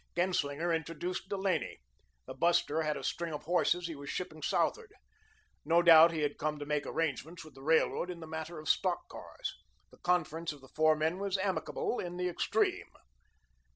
Genslinger introduced Delaney. The buster had a string of horses he was shipping southward. No doubt he had come to make arrangements with the Railroad in the matter of stock cars. The conference of the four men was amicable in the extreme.